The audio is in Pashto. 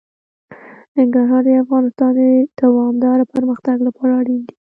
ننګرهار د افغانستان د دوامداره پرمختګ لپاره اړین دي.